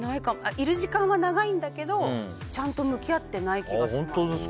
いる時間は長いんだけどちゃんと向き合ってない気がします。